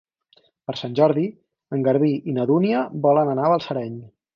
Per Sant Jordi en Garbí i na Dúnia volen anar a Balsareny.